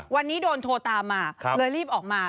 วันนี้โดนโทรตามมาเลยรีบออกมา